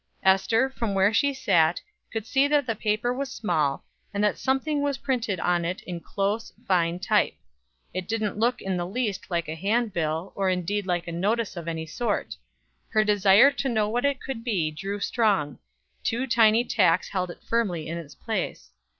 Ester, from where she sat, could see that the paper was small, and that something was printed on it in close, fine type. It didn't look in the least like a handbill, or indeed like a notice of any sort. Her desire to know what it could be grew strong; two tiny tacks held it firmly in its place.